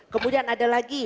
kemudian ada lagi